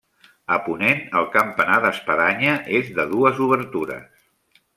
A ponent el campanar d'espadanya és de dues obertures.